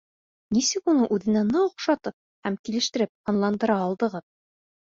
Нисек уны үҙенә ныҡ оҡшатып һәм килештереп һынландыра алдығыҙ?